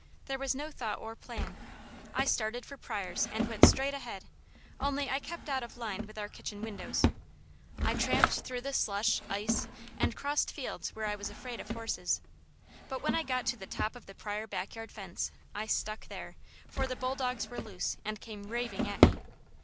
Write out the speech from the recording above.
There was no thought or plan. I started for Pryors' and went straight ahead, only I kept out of line with our kitchen windows. I tramped through the slush, ice, and crossed fields where I was afraid of horses; but when I got to the top of the Pryor backyard fence, I stuck there, for the bulldogs were loose, and came raving at me.